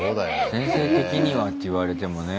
「先生的には」って言われてもね。